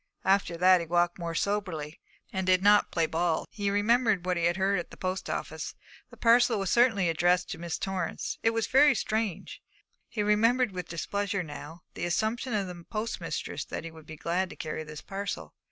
After that he walked more soberly, and did not play ball. He remembered what he had heard at the post office. The parcel was certainly addressed to Miss Torrance. It was very strange. He remembered with displeasure now the assumption of the postmistress that he would be glad to carry this parcel.